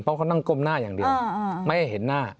เพราะเขานั่งก้มหน้าอย่างเดียวไม่ให้เห็นหน้า